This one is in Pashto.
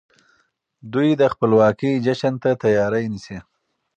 دوی د خپلواکۍ جشن ته تياری نيسي.